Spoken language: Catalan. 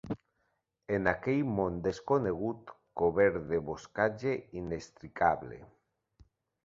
En aquell món desconegut, cobert de boscatge inextricable…